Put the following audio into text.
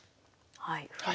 はい。